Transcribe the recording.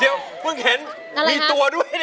เดี๋ยวเพิ่งเห็นมีตัวด้วย